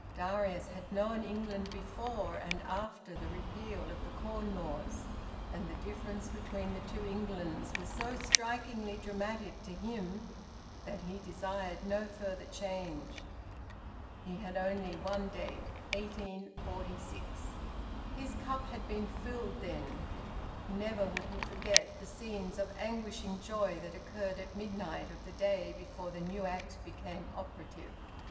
Darius had known England before and after the repeal of the Corn Laws, and the difference between the two Englands was so strikingly dramatic to him that he desired no further change. He had only one date 1846. His cup had been filled then. Never would he forget the scenes of anguishing joy that occurred at midnight of the day before the new Act became operative.